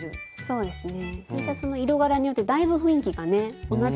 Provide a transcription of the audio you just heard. そうですね。